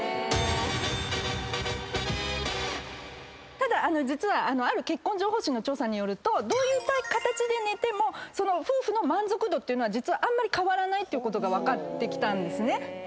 ただある結婚情報誌の調査によるとどういう形で寝ても夫婦の満足度っていうのはあんまり変わらないってことが分かってきたんですね。